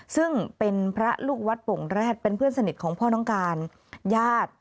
ซึ่งเป็นพระลูกวัดโป่งแรดเป็นเพื่อนสนิทของพ่อน้องการญาติ